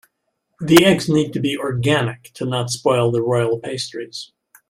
The eggs need to be organic to not spoil the royal pastries.